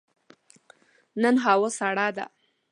نن هوا سړه ده.